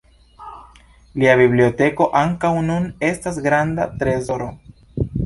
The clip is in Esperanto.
Lia biblioteko ankaŭ nun estas granda trezoro.